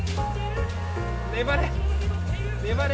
粘れ！